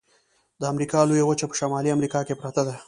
د امریکا لویه وچه په شمالي امریکا کې پرته ده.